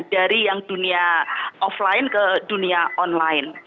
dari yang dunia offline ke dunia online